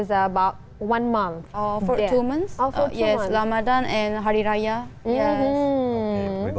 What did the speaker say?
ya ramadan dan hari raya